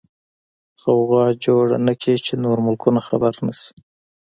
غوغا جوړه نکې چې نور ملکونه خبر نشي.